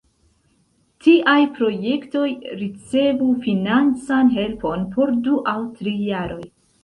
Tiaj projektoj ricevu financan helpon por du aŭ tri jaroj.